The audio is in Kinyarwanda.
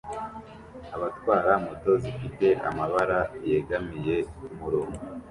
Abatwara moto zifite amabara yegamiye kumurongo